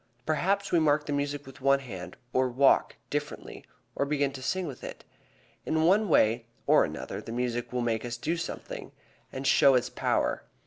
Perhaps we mark the music with the hand, or walk differently, or begin to sing with it. In one way or another the music will make us do something that shows its power.